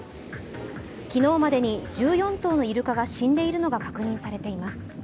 昨日までに１４頭のイルカが死んでいるのが確認されています。